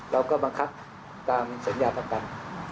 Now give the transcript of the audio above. เราก็บังคับตามสัญญาประกัน